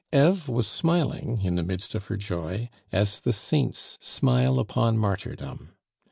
Eve was smiling in the midst of her joy, as the saints smile upon martyrdom.